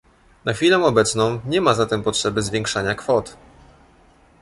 Na chwilę obecną nie ma zatem potrzeby zwiększania kwot